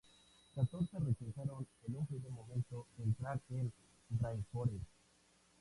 Catorce rechazaron en un primer momento entrar en Rainforest.